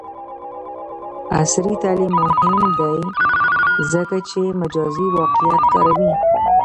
عصري تعلیم مهم دی ځکه چې مجازی واقعیت کاروي.